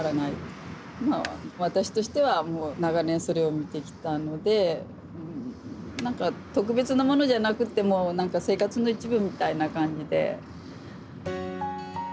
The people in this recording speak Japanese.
私としては長年それを見てきたので何か特別なものじゃなくても生活の一部みたいな感じで。